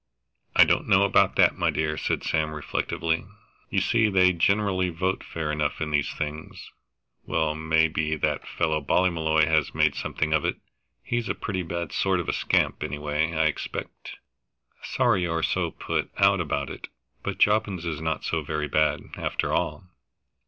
"I don't know about that, my dear," said Sam reflectively. "You see they generally vote fair enough in these things. Well, may be that fellow Ballymolloy has made something out of it. He's a pretty bad sort of a scamp, any way, I expect. Sorry you are so put out about it, but Jobbins is not so very bad, after all."